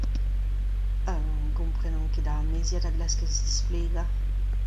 Ne gomprenan ket ar meizad a glaskez displegañ.